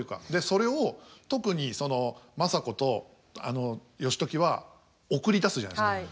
それを特に政子と義時は送り出すじゃないですか。